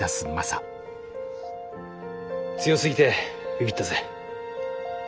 強すぎてビビったぜ。